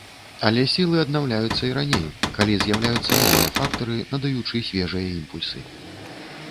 Але сілы аднаўляюцца і раней, калі з'яўляюцца новыя фактары, надаючы свежыя імпульсы.